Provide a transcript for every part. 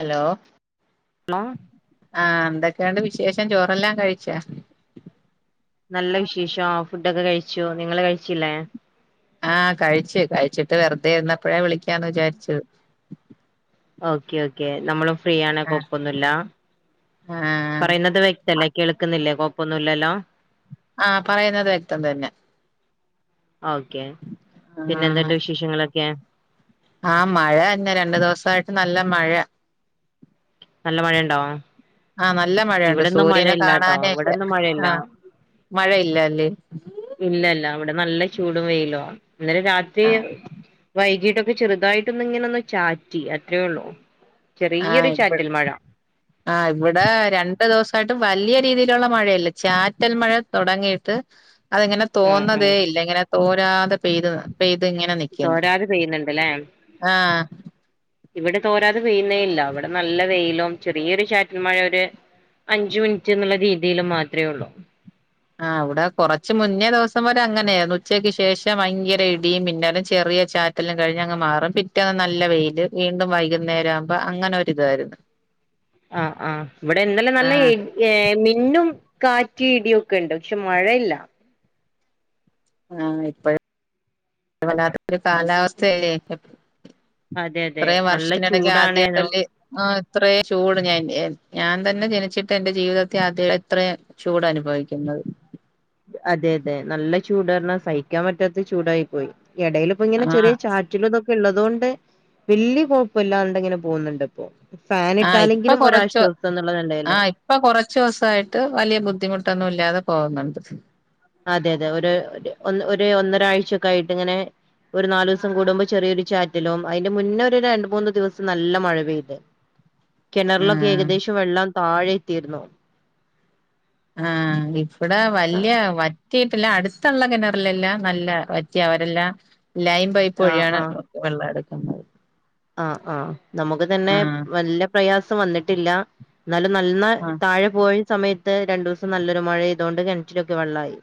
Hello hello ആഹ് എന്തൊക്കെയൊണ്ട് വിശേഷം ചോറെല്ലാം കഴിച്ചാ നല്ല വിശേഷം ഫുഡൊക്കെ കഴിച്ചു നിങ്ങള് കഴിച്ചില്ലേ ആഹ് കഴിച്ചു കഴിച്ചിട്ട് വെറുതെ ഇരുന്നപ്പോഴാ വിളിക്കാന്ന് വിചാരിച്ചത് ഓക്കെ ഓക്കേ നമ്മളും ഫ്രീ ആണ് ആഹ് കൊഴ്പ്പൊന്നുല്ല ആഹ് പറയുന്നത് വ്യ ത്തല്ലേ കേൾക്കുന്നില്ലേ കൊപ്പൊന്നുല്ലല്ലോ ആഹ് പറയുന്നത് വ്യക്തം തന്നാ ഓക്കെ പിന്നെ ആഹ് എന്തുണ്ട് വിശേഷങ്ങളൊക്കെ ആഹ് മഴ തന്നെ രണ്ടു ദിവസായിട്ട് നല്ല മഴ നല്ല മഴണ്ടോ ആഹ് നല്ല മഴയുണ്ട് സൂര്യനെ കാണാനേ ഇല്ല ഇവിടെന്നും മഴയില്ല ആഹ് മഴയില്ലല്ലേ ഇല്ലല്ല അവിടെ നല്ല ചൂടും വെയിലുവാ ഇന്നലെ രാത്രി ആഹ് വൈകിട്ടൊ ക്കെ ചെറുതായിട്ടൊന്നിങ്ങനൊന്ന് ചാറ്റി അത്രേ ഉള്ളു ആഹ് ഇപ്പ ആഹ് ഇവിടെ രണ്ടു ദിവസായിട്ട് വല്ല്യ രീതിയിലുള്ള മഴയല്ല ചാറ്റൽ മഴ തുടങ്ങിയിട്ട് അതിങ്ങനെ ഉം ഉം തോന്നതേ ഇല്ല ഇങ്ങനെ തോരാതെ പെയ്ത പെയ്തിങ്ങനെ നിക്കുന്നു തോരാതെ പെയ്യുന്നുണ്ട്ല്ലേ ആഹ് ഇവിടെ തോരാതെ പെയ്യുന്നേയില്ല അവിടെ നല്ല വെയിലും ചെറിയൊരു ചാറ്റൽ മഴ ഒര് അഞ്ചു മിനിറ്റ്ന്ന്ള്ള രീതിൽ മാത്രേ ഒള്ളു ആഹ് അവിടെ കുറച്ച് മുന്നേ ദിവസം വരെ അങ്ങനെയാരുന്ന് ഉച്ചയ്ക്ക് ശേഷം ഭയങ്കര ഇടിയും മിന്നലും ചെറിയ ചാ റ്റലും കഴിഞ്ഞ് അങ്ങ് മാറും പിറ്റേന്ന് നല്ല വെയില് വീണ്ടും വൈകുന്നേരം ആവുമ്പോ അങ്ങനെ ഒരുരിതായിരുന്നു [inaudible] ആഹ് ആഹ് ഇവിടെ ഇന്നലെ നല്ല ഇ ഏഹ് മിന്നും കാറ്റ് ഇടിയൊക്കെ ഉണ്ട് പക്ഷേ മഴയില്ല ആഹ് ഇപ്പോഴ് വല്ലാത്ത ഒരു കാലാവസ്ഥയല്ലേ അതെ അതെ ഇത്രയും നല്ല വർഷത്തിനിടയ്ക്ക് ചൂടാണേനോ ആദ്യായിട്ടല്ല ആഹ് ഇത്രേം ചൂട് ഞാൻ ഞാൻ തന്നെ ജനിച്ചിട്ട് എന്റെ ജീവിതത്തി ആദ്യായിട്ടാ ഇത്രം ചൂട് അനുഭവിക്കുന്നത് അതെ അതെ നല്ല ചൂടാർഞ്ഞ സഹിക്കാൻ പറ്റാത്ത ചൂടായി പോയി എടയില് ഇപ്പോ ഇങ്ങനെ ചെറിയ ആഹ് ചാറ്റ ചിലതൊക്കെ ഇള്ളതുകൊണ്ട് വല്ല്യ കൊഴ്പ്പല്ലാണ്ട് ഇങ്ങനെ പോന്നുണ്ട് ഇപ്പോ ആഹ് ഫാനിട്ടാലെങ്കിലും ഒരാശ്വാസെന്നുള്ളത് ലേടെലെ ഇപ്പ കൊറച്ചു ദിവസായിട്ട് വലിയ ബുദ്ധിമുട്ടൊന്നും ഇല്ലാതെ പോകുന്നുണ്ട് അതെ അതെ ഒരു ഒ ഒന്നരാഴ്ച കഴിഞ്ഞിട്ട് ഇങ്ങനെ ഒരു നാലു ദിവസം കൂടുമ്പ ചെറിയൊരു ചാറ്റലും അതിന്റെ മുന്നൊരു രണ്ടു മൂന്നു ദിവസം നല്ല മഴ പെയ്ത് [inaudible] കെണറിലൊക്കെ ആഹ് ഏകദേശം വെള്ളം താഴെ എത്തിയിരുന്നു ആഹ് ഇഫടെ വല്യ വൽ കേട്ടില്ല അടുത്തൊള്ള കെണറിലെല്ലാം നല്ല വറ്റിയ അവരെല്ലാം ലൈൻ പൈപ്പ് ആഹ് വഴിയാണ് ആഹ് വെള്ളെടുക്കുന്നതെ ആഹ് ആഹ് നമുക്കു തന്നെ ആഹ് വല്ല പ്രയാസം വന്നിട്ടില്ലാ എന്നാലും നൽന്നേ ആഹ് താഴെ പോയ സമയത്ത് രണ്ടു ദിവസം നല്ലൊരു മഴ ആയതുകൊണ്ട് കിണറ്റിലൊക്കെ വെള്ളായി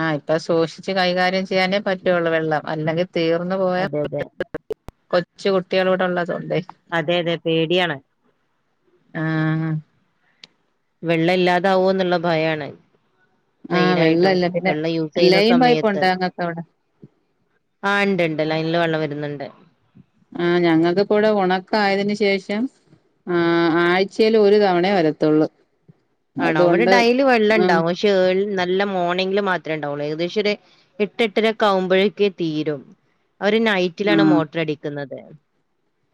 ആഹ് ഇപ്പ സൂക്ഷിച്ച് കൈകാര്യം ചെയ്യാനേ പറ്റുവൊള്ളു വെള്ളം അല്ലെങ്കി തീർന്നു പോയാ അതെ അതെ കൊച്ചു കുട്ടികളൂട് ഒള്ളതൊണ്ടേ അതെ അതെ പേടിയാണ് ആഹ് അഹ് വെള്ള ഇല്ലാതാവൂവോന്നുള്ള ഭയാണ് ആഹ് മെയിനായിട്ടും വെള്ളല്ല പിന്നെ വെള്ളം യൂസു ചെയ്യുന്ന ലൈൻ പൈപ്പ് ഉണ്ട് സമയത്ത് ഞങ്ങൾക്ക് അവിടെ ആഹ് ഉണ്ടിണ്ട് ലൈനില് വെള്ളം വരുന്നുണ്ട് ആഹ് ഞങ്ങൾക്കിപ്പ ഇവിടെ ഉണക്കായതിന് ശേഷം ആഹ് ആഴ്ചയിലൊരു തവണയേ വരത്തൊള്ളൂ ആണോ ഇവിടെ ഡയ്ലി വെള്ളം ആഹ് ഇണ്ടാവും പക്ഷേ ഏൾ നല്ല മോർണിംഗില് മാത്രേ ഉണ്ടാവുള്ളൂ ഏകദേശൊരേ എട്ടെട്ടരൊക്കാവുമ്പോഴേക്കേ തീരും അവര് നൈറ്റിലാണ് ആഹ് മോട്ടറടിക്കുന്നത്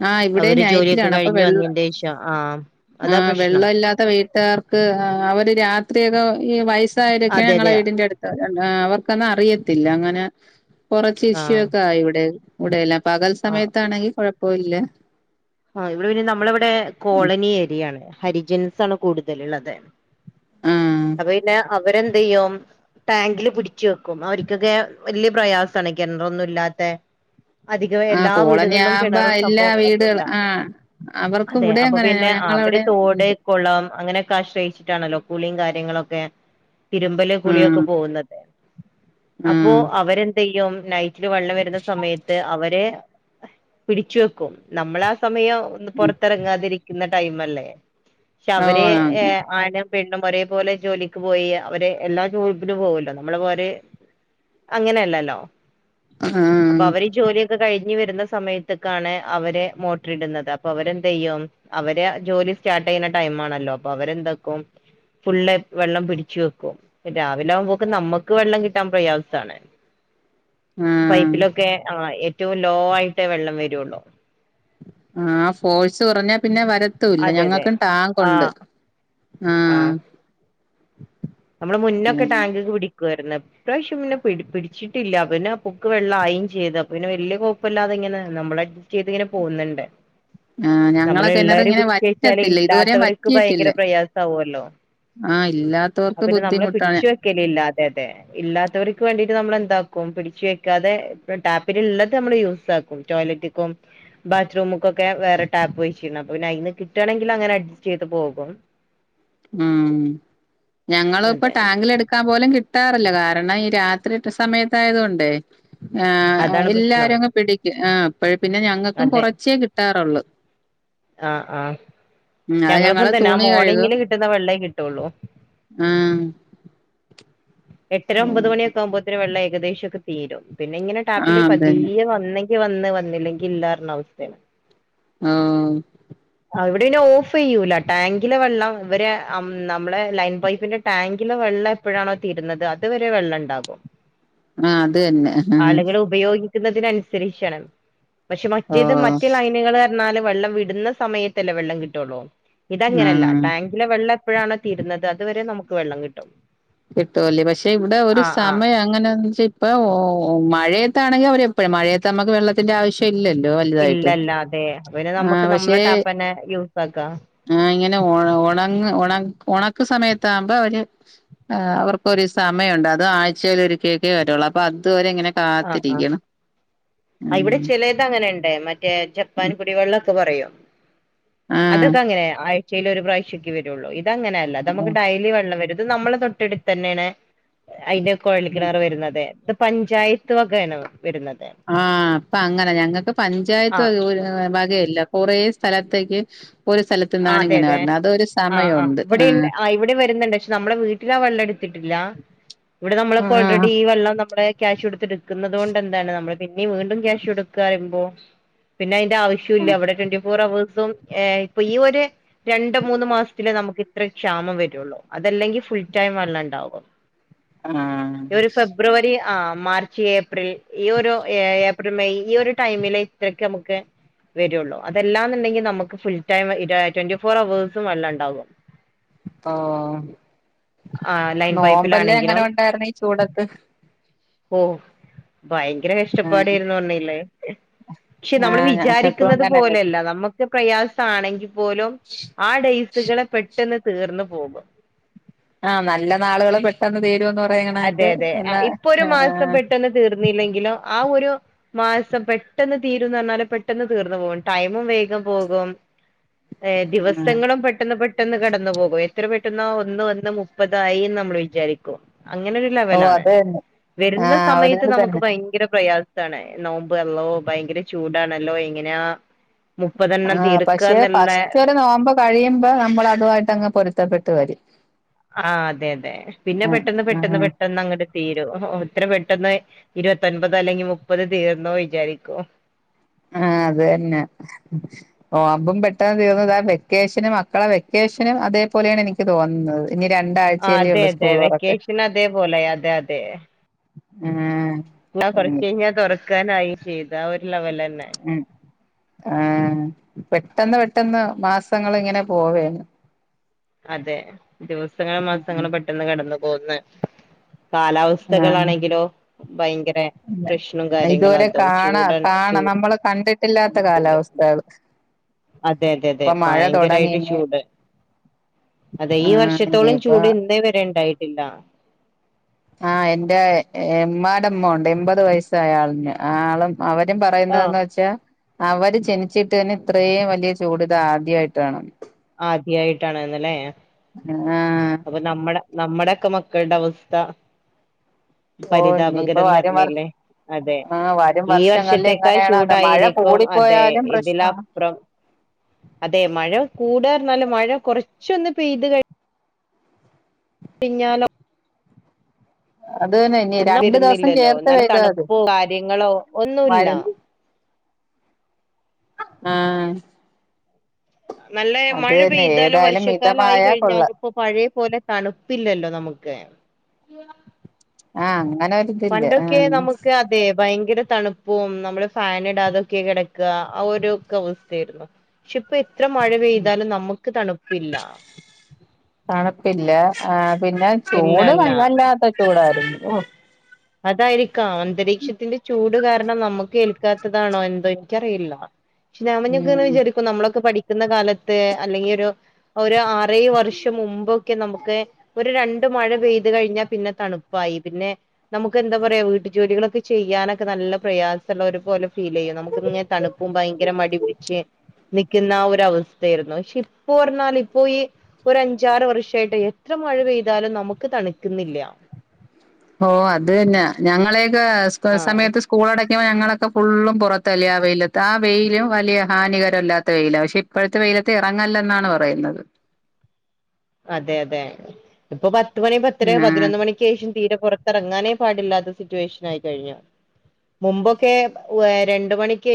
ആഹ് ഇവിടെ അവര് ജോലിയൊക്കെ നൈറ്റിലാണ് അപ്പൊ കഴിഞ്ഞു വെള്ളം വന്നേന്റെഷം ആഹ് അതാ പ്രശ്നം ഇത്ത വീട്ടുകാർക്ക് അഹ് അവര് രാത്രിയൊക്കെ ഈഹ് വയസ്സായോരൊക്കെ അതെ ഞങ്ങടെ അതെ വീടിന്റെടുത്ത് അഹ് അവർക്കൊന്നും അറിയത്തില്ല അങ്ങനെ ആ കൊറച്ചിഷ്യൂ ഒക്കെ ആയി ഇവിടെ ഇവിടെയെല്ലാം പകൽ ആ സമയത്താണെങ്കി കൊഴപ്പമില്ല ആഹ് ഇവിടെ പിന്നെ നമ്മളിവിടെ കോളനി ഏരിയാണ് ഹരിജൻസാണ് കൂടുതലുള്ളത് ആഹ് അപ്പ പിന്നെ അവരെന്തെയ്യും ടാങ്കില് പിടിച്ചു വെക്കും അവരൊക്കൊക്കെ വല്യ പ്രയാസാണ് കിണറൊന്നും ഇല്ലാത്തേ അധികം ആ എല്ലാ കോളനി വീടുകളിലും ആവുമ്പോ കിണറും എല്ലാ സംഭവങ്ങളൊന്നും വീടുകൾ ഇല്ല ആ അവർക്ക് അതെ ഇവിടെ അപ്പ അങ്ങനെ പിന്നെ അവര് ഞങ്ങളവിടെ തോട് ഉണ്ട് കുളം അങ്ങനൊക്കെ ആശ്രയിച്ചിട്ടാണല്ലോ കുളിയും കാര്യങ്ങളൊക്കെ തിരുമ്പല് ആഹ് കുളിയൊക്കെ പോവുന്നത് അപ്പോ ആഹ് അവരെന്തെയ്യും നൈറ്റി റഇത് വെള്ളം വരുന്ന സമയത്ത് അവരെ പിടിച്ചു വെക്കും നമ്മള സമയം ഒന്ന് പുറത്തിറങ്ങാതിരിക്കുന്ന ടൈമല്ലേ പക്ഷേ ഓ അവരെ ആഹ് ഏഹ് ആനം പെണ്ണും ഒരേ പോലെ ജോലിയ്ക്കു പോയി അവരെ എല്ലാ ജോലിപ്പിലും പോവല്ലോ നമ്മള് പോരേ അങ്ങനെയല്ലല്ലോ അപ്പ അവരീ ജോലിയൊക്കെ കഴിഞ്ഞ് ഇഞ്ഞി വരുന്ന സമയത്തേക്കാണ് അവര് മോട്ടർ ഇടുന്നത് അപ്പ അവരെന്ത ചെയ്യും അവര് ജോലി സ്റ്റാർട്ട് ചെയ്യുന്ന ടൈം ആണല്ലോ അപ്പ അവരെന്താക്കും ഫുള്ള് വെള്ളം പിടിച്ച് വെക്കും രാവിലെ ആവുമ്പോക്ക് നമ്മക്ക് വെള്ളം കിട്ടാൻ പ്രയാസാണ് [inaudible] ആഹ് പൈപ്പിലൊക്കെ ആഹ് ഏറ്റവും ലോ ആയിട്ടേ വെള്ളം വരവൊള്ളൂ ആഹ് ഫോഴ്സു കുറഞ്ഞാ പിന്നെ വരത്തു ഇല്ല അതെ അതെ ഞങ്ങക്കും ടാങ്കുണ്ട് ആഹ് ആഹ് നമ്മള് മുന്നൊക്കെ ടാങ്കോക്ക് പിടിക്കുവാരുന്നു ഇപ്രാവശ്യം പിന്നെ പിടിപ്പ് പിടിച്ചിട്ടില്ല പിന്നെ പൊക്ക് വെള്ളം ആയേം ചെയ്ത പിന്നെ വല്യ കുയപ്പമില്ലാതിങ്ങനെ നമ്മളെ ചെയ്തിങ്ങനെ പോവ്ന്നണ്ട് ആഹ് ഞങ്ങളെ നമ്മളെല്ലാരും കിണറിങ്ങനെ പിടിച്ചു കഴിഞ്ഞാലെ വറ്റത്തില്ല ഇതുവരെ ഇല്ലാത്തവർക്ക് വറ്റിയിട്ടില്ല ഭയങ്കര പ്രയാസാവൂല്ലോ ആഹ് ഇല്ലാത്തവർക്ക് ബുദ്ധിമുട്ടാണ് ക്കിലില്ലാത്തേതേ ഇല്ലാത്തവർക്ക് വേണ്ടിട്ട് നമ്മളെന്താക്കും പിടിച്ചു വെക്കാതെ ടാപ്പിലുള്ളത് നമ്മള് യൂസ് ആക്ക്‌ ടോയ്ലറ്റ്ക്കും ബാത്റൂമ്ക്കൊക്കെ വേറെ ടാപ്പ് വെച്ചിരുന്നു അപ്പ പിന്ന അയിന്ന് കിട്ടാണെങ്കിൽ അങ്ങനെ അഡ്ജസ്റ്റ് ചെയ്ത് പോകും. ഉം ഞങ്ങളിപ്പ അതെ ടാങ്കിൽ എടുക്കാൻ പോലും കിട്ട് ട്ടാറില്ല കാരണം ഈ രാത്രി സമയത്തായതു കൊണ്ടേ ഏഹ് അതാണ് പ്രശ്നം എല്ലാരും അങ്ങ് പിടി ആഹ് അപ്പഴ് പിന്നെ ഞങ്ങൾക്കും അതെ കുറച്ചേ കിട്ടാറുള്ളൂ. ആഹ് ആഹ് ഉം അത് ഞങ്ങള് ഞങ്ങളിപ്പംന്തന്നെ ആ തുണി മോർണിങ്ങില് കിട്ടുന്ന വെള്ളേ കിട്ടുള്ളൂ ഉം എട്ടര ഒമ്പത് മണിയൊെക്കെ ആവുമ്പോത്തിന് വെള്ളം ഏകദേശൊക്കെ തീരും പിന്നെ ഇങ്ങനെ ടാപ്പില് ആഹ് അതന്നെ പതിയെങ്ങ് വന്നെ ന്നങ്ങി വന്ന് വന്നില്ലെങ്കിൽ ഇല്ലാർഞ്ഞ അവസ്ഥയാണ് ഓഹ് അവിടെനെ ഓഫ് ചെയ്യൂല്ലാ ടാങ്കിലെ വെള്ളം ഇവര് നമ്മളെ ലൈൻ പൈപ്പിന്റെ ടാങ്കിലെ വെള്ളം എപ്പോഴാണോ തീരുന്നത് അതുവരെ വെള്ളം ഉണ്ടാകും ആഹ് അത് തന്നെ അ ആളുകൾ ഉപയോഗിക്കുന്നതിനനുസരിച്ചാണ് പക്ഷെ മറ്റേത് ഓഹ് മറ്റേ ലൈനുകൾ ന്നാല് വെള്ളം വിടുന്ന സമയത്തല്ലേ വെള്ളം കിട്ടുള്ളൂ ഇതങ്ങനല്ലാ ആഹ് ടാങ്ക് ങ്കിലെ വെള്ളം എപ്പോഴാണോ തീരുന്നത് അതുവരെ നമുക്ക് വെള്ളം കിട്ടും. കിട്ടുവല്ലേ പക്ഷെ ഇവിടെ ഒരു ആഹ് ആഹ് സമയം അങ്ങനെ വച്ച് ഇപ്പൊ ഓ മഴയത്താണെങ്കിൽ അവരെപ്പോഴും മഴയത്ത് നമുക്ക് വെള്ള ത്തിന്റെ ആവശ്യല്ലല്ലോ അൽ ഇല്ലല്ല അതെ അപ്പോ പിന്നെ നമുക്ക് നമ്മളെ ടാപ്പ്ന്നെ യൂസ് ആക്കാ ആഹ് ഇങ്ങനെ ഉണ ഉണങ്ങ് ഉണക്ക് സമയത്താവുമ്പോ അവര് ആഹ് അവർക്കൊരു സമയം ഉണ്ട്. അത് ആഴ്ചേൽ ഒരിക്കെ ഒക്കേ വരുള്ളൂ അപ്പൊ അതുവരെ ഇങ്ങനെ ആഹ് ആഹ് കാത്തിരിക്കണം ആഹ് ഇവിടെ ഉം ചിലേ ത് അങ്ങനെണ്ടേ മറ്റേ ജപ്പാൻ കുടിവെള്ളംഒക്കെ പറയും ആ അതൊക്കെ അങ്ങനെ ആഴ്ചയിൽ ഒരു പ്രാവശ്യൊക്കെ വരുള്ളൂ ഇതങ്ങനെയല്ല ത് നമുക്ക് ഡെയ്ലി വെള്ളം വരും ഇത് നമ്മളെ തൊട്ട് ടുത്ത് തന്നേണ് അതിന്റെ കുഴൽക്കിണർ വരുന്നത് ഇത് പഞ്ചായത്ത് ത്ത് [unintelligible] വരുന്നുന്നത് ആഹ് അപ്പ അങ്ങനെ ഞങ്ങക്ക് പഞ്ചായത്ത് ആഹ് വകയല്ല കുറേ സ്ഥലത്തേക്ക് ഇപ്പൊ ഒരു ആ സ്ഥലത്ത്ന്നാണ് അതെ ഇങ്ങനെ അതെ പറഞ്ഞേ അത് ആഹ് ആഹ് ഇവിടെണ്ട് ആ ഇവിടേം വരുന്നുണ്ട് പക്ഷെ നമ്മള വീട്ടിലാ വെള്ളം എടുത്തിട്ടില്ല. ഇവിടെ ആ നമ്മളൊക്ക ഓൾറെഡി ഈ വെള്ളം നമ്മുടെ ക്യാഷ് കൊടുത്ത് എടുക്കുന്നുത് കൊണ്ട് എന്താണ് നമ്മള് പിന്നീം വീണ്ടും ക്യാഷ് കൊടുക്കാ റീമ്പോ പിന്നെ അയിന്റെ ആവശ്യോം ആ ഇല്ല ഇവിടെ ട്വന്റി ഫോർ ഹവേഴ്സും ഏഹ് ഇപ്പൊ ഈ ഒരു രണ്ട് മൂന്ന് മാസത്തിലേ നമുക്ക് ഇത്ര ക്ഷാമം വരുള്ളൂ അതല്ലെങ്കിൽ ഫുൾ ടൈം വള്ളം ണ്ടാാവും ആഹ് ഒരു ഫെബ്രുവരി ആഹ് മാർച്ച് ഏപ്രിൽ ഈ ഒരു എ ഐ ബടെ മേയ് ഈ ഒരു ടൈമിലേ ഇത്രക്ക് നമുക്ക് വരുള്ളൂ അതെല്ലാന്നുണ്ടെങ്കി നമുക്ക് ഫുൾ ടൈം ഇടാ ട്വന്റി ഫോർ ഹവേഴ്സും വെള്ളണ്ടാവും ഓഹ് ആ ലൈൻ നോമ്പല്ലാം എങ്ങനെ പൈപ്പിലാണെങ്കിലും ഉണ്ടായിരുന്നു ഈ ചൂടത്ത് ഓ ഭയങ്കര ആഹ് കഷ്ടപ്പാടര്ന്നു റഞ്ഞില്ലേ പക്ഷെ നമ്മള് ആഹ് ഞങ്ങക്കും വിചാരിക്കുന്നത് അങ്ങനെന്നെ പോലെയല്ല നമ്മക്ക്. പ്രയാസ ആണെങ്കിൽ പോലും ആ ഡേയ്സുകള് പെട്ടെന്ന് തീർന്നു പോകും. ആഹ് നല്ല നാളാള് പെട്ടെന്ന് തീരോന്ന് പറഞ്ഞ അതെ അതെ ആഹ് ഇപ്പൊ ഒരു മാസം പെട്ടെന്ന് തീർന്നില്ലെങ്കിലോ ആ ഒരു മാസം പെട്ടെന്ന് തീരോന്ന് പറഞ്ഞാല് പെട്ടെന്ന് തീർന്ന് പോകും ടൈമും വേഗം പോകും. ഏഹ് ആഹ് ദിവസങ്ങളും പെട്ടെന്ന് പെ ട്ടെന്ന് കടന്നു പോകും എത്ര പെട്ടെന്നോ ഒന്ന് വന്ന് മുപ്പതായിന്ന് നമ്മൾ വിചാരിക്കും. അങ്ങനൊരു ഓ ലെവലാണ് അത് തന്നെ വരുന്ന ആഹ് സമയത്ത് ഒരിതിൽ നമുക്ക് തന്നെ ഭയങ്കര പ്രയാ സാണ് നോമ്പ് അള്ളോ ഭയങ്കര ചൂടാണല്ലോ എങ്ങനെയാ മുപ്പതെണ്ണം ആഹ് പക്ഷേ തീർക്കാന്നുള്ള ഫസ്റ്റ് ഒര് നോമ്പ് കഴിയുമ്പോ നമ്മൾ അതുവായിട്ടങ്ങ് പൊരുത്തപ്പെട്ട് വരും. ആഹ് അതെ തെ.. പിന്നെ ആഹ് പെട്ടെന്ന് പെട്ടെന്ന് ആഹ് പെട്ടെന്നങ്ങണ്ട്. തീരും ഇ. ത്ര പെട്ടെന്ന് ഇരുപത്തെൻപത് അല്ലെങ്കിൽ മുപ്പത് തീർന്നോ വിചാരിക്കും. ആഹ് അതെന്നെ. നോമ്പുംപെട്ടെന്ന് തീർന്ന്താ വെക്കേഷനും, മക്കളെ വെക്കേഷനും, അതേപോലെയാണ്. എനിക്ക് തോന്നുന്നത്. ഇനി ആഹ് അതെ രണ്ടാഴ്ചയല്ലേള്ളൂ അതെ സ്കൂൾ തെറക്ക്. വെക്കേഷൻ അതേപോലെ അതെ ഏം ആ കൊർച്ചെയ്ഞ്ഞാൽ തെറക്കാനായിം ചെയ്ത്. ആ ഒരു ലെവലെന്നെ. അതെ. ആപെട്ടെന്ന് പെട്ടെന്ന് മാസങ്ങള്ങ്ങനെ പോവെ. അതെ ദിവസങ്ങളും, മാസങ്ങളും, പെട്ടെന്ന് കടന്നു പോകുന്നെ. ആഹ് കാലാവസ്ഥകളാണെങ്കിലോ, ഭയങ്കര. പ്രശ്നം കാര്യങ്ങളും ഇതുവരെ അതും കാണാ, ചൂടാണ് കാണ, ചൂ നമ്മള് കണ്ടിട്ടില്ലാത്ത. കാലാവസ്ഥകള്. അതെ, അതെ, തെ ഇപ്പൊ മഴ ഭയങ്കരായിട്ട് തൊടങ്ങിനി ചൂട്. അതെ ഈ ആഹ് വർഷത്തോളം ഇനിയിപ്പ ചൂട് ഇന്നേ വരെ ണ്ടായിട്ടില്ല. ആഹ്, എന്റെ ഇമ്മാടെ മ്മണ്ട് എൺപത് വയസ്സായ ആളുണ്ട്. ആ ആളും. അവരും, ആഹ് പറയുന്നതെന്ന് വെച്ചാ. അവര് ജനിച്ചിട്ട് തന്നെ ഇത്രയും വലൃ ചൂട് ഇത് ആദ്യയിട്ടാണ്. ആദ്യായിട്ടാണ്ന്ന് ല്ലേ.. ആഹ് പ്പൊ നമ്മടെ, നമ്മടെയൊക്കെ മക്കൾടെ അവസ്ഥ. ഓഹ് ഇനിയിപ്പ പരിതാപകരം വരും വർ ന്നർഞ്ഞില്ലേ. അതെ, ആഹ് വരും ഈ വർഷങ്ങളില് വർഷത്തേക്കായ് എങ്ങനെയാണോ അത് മഴ ചൂടായിരിക്കും. അതെ, കൂടിപ്പോയാലും പ്രശ്നാണ് ഇതിലപ്രം. അതെ മഴ കൂടാർഞാല് മഴ കെറച്ചൊന്ന് പെയ്ത് കഴി പിഞ്ഞാലോ. അത് ന്നെ എനി എന്നാ വരുന്നില്ലല്ലോ ന്നല്ല തണുപ്പും കാര്യങ്ങളും ഒന്നുല്ല. മതി ആഹ്. നല്ല മഴ തന്നെ പെയ്താലും ഏതായാലും വർഷക്കാലയി മിതമായ കഴിഞ്ഞാല്. കൊള്ളാം പപ്പൊ പഴെ പോലെ തണുപ്പില്ലല്ലോ നമുക്ക്. ആഹ് അങ്ങനൊര് പണ്ടൊക്കെ നമുക്ക് അ തെ ഭയങ്കര തണുപ്പും നമ്മള് ഫാന് ടാതൊക്കെ കിടക്കാ, ആ ഒരുക്കെ അവസ്ഥേര്ന്നു. ക്ഷെ പ്പിത്ര മഴ പെയ്താലും നമ്മുക്ക് തണുപ്പില്ല. തണുപ്പില്ല ആഹ് പിന്നെ ഇല്ല ചൂട് ഇല്ല വല്ലാത്ത ചൂടായിരുന്നു ഓഹ് അതായിരിക്കാം, അന്തരീക്ഷത്തിന്റെ ചൂട് കാരണം. ന്നമ്മക്ക് ഏൽക്കാത്തതാണോ, എന്തോ, എൻക്കറിയില്ല. ക്ഷ ഞാമഞെക്കെ ഉം വിചാരിക്കും നമ്മളൊക്കെ പഠിക്കുന്ന കാലത്ത് അല്ലെങ്കിലെരു ഒരാ ആറെഴ് വർഷം മുമ്പ് ക്കെ നമുക്ക് ഒരു രണ്ട് മഴ പെയ്ത് കഴിഞ്ഞാ, പിന്നെ തണുപ്പായി പിന്നെ നമുക്കെന്താ പറയാ വീട്ടുജോലികളൊക്കെ ചെയ്യാനൊക്കെ നല്ല പ്രയാസള്ളെ ഒര് പോലെ ഫീലെയ്യും നമുക്ക് ഇങ്ങെനെ തണുപ് ബ് ഭയങ്കര മടിപിടിച്ച് നിക്ക്ന്നാ ഒര വസ്ഥയായിരുന്നു ക്ഷെ ഇപ്പേർഞ്ഞാൽ ഇപ്പോ ഈ ഒരഞ്ചാറ് വർഷായിട്ട്, എത്ര മഴ പെയ്താലും നമുക്ക് തണുക്കുന്നില്ല. ഓ അത് തന്നാ ഞങ്ങളെയെക്കാ സ്കൂൾ ആഹ് സമയത്ത് സ്കൂൾ അടയ്ക്കുമ്പോൾ ഞങ്ങളൊക്കെ ഫുള്ളും പുറത്തല്ലേ ആ വെയിലത്ത് ആ വെയിലും വലിയ ഹാനികരല്ലാത്ത വെയിലാ ക്ഷെപ് ഇപ്പഴത്തെ വെയിലത്ത് ഇറങ്ങല്ലെന്നാണ് പറയുന്നത്. അതെ അതെ ഇപ്പൊ പത്ത് മണി പത്തെര ആഹ് പതിനൊന്ന്മണി ക്കെഷം തീരെ പുറത്തെറങ്ങാനേ പാടില്ലാത്ത സിറ്റുവേഷൻ ആയി കഴിഞ്ഞു. മുമ്പൊക്കെ ഉ വെ രണ്ട് മണിക്ക്